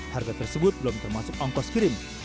harga tersebut belum termasuk ongkos kirim